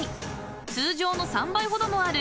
［通常の３倍ほどもある揚げ